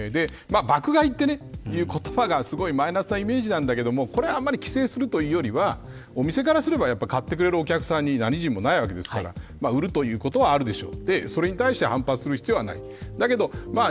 爆買いっていう言葉がすごいマイナスのイメージなんだけどこれはあまり規制するというよりはお店からすれば、買ってくれるお客さんに何人もないわけですから売るということはあるでしょう。